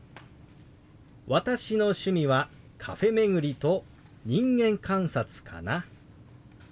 「私の趣味はカフェ巡りと人間観察かな」。